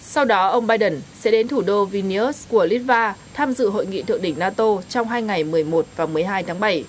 sau đó ông biden sẽ đến thủ đô vinius của litva tham dự hội nghị thượng đỉnh nato trong hai ngày một mươi một và một mươi hai tháng bảy